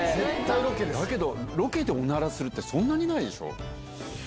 だけど、ロケでおならするって、そんなにないでしょ？